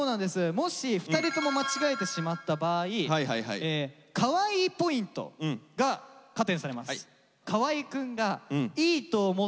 もし２人とも間違えてしまった場合カワイイポイントが加点されます。